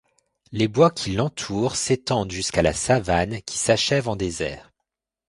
Les bois qui l’entourent s’étendent jusqu’à la savane qui s'achève en désert.